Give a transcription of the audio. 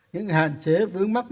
những hạn chế vướng mắc